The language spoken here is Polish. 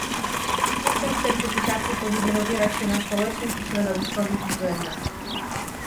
System certyfikacji powinien opierać się na społecznych i środowiskowych względach